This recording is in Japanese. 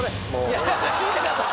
聞いてください